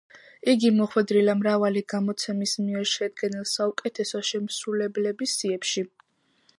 იგი მოხვედრილა მრავალი გამოცემის მიერ შედგენილ საუკეთესო შემსრულებლების სიებში.